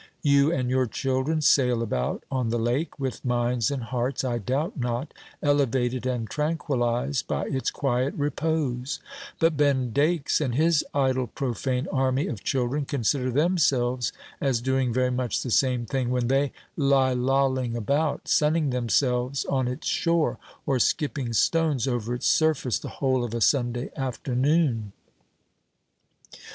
You and your children sail about on the lake, with minds and hearts, I doubt not, elevated and tranquillized by its quiet repose; but Ben Dakes, and his idle, profane army of children, consider themselves as doing very much the same thing when they lie lolling about, sunning themselves on its shore, or skipping stones over its surface the whole of a Sunday afternoon."